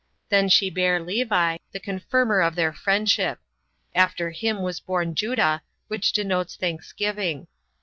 Then she bare Levi, the confirmer of their friendship. After him was born Judah, which denotes thanksgiving.